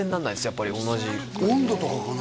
やっぱり同じ温度とかかな？